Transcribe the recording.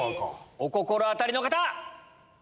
お心当たりの方！